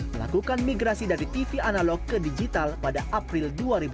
melakukan migrasi dari tv analog ke digital pada april dua ribu dua puluh